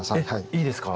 いいですか？